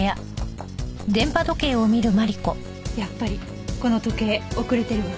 やっぱりこの時計遅れてるわ。